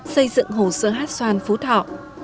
xây dựng hồ sữa hát xoan phú thọ